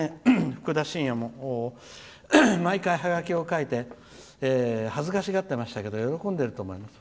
ふくだしんやも毎回ハガキを書いて恥ずかしがっていましたけど喜んでいると思います。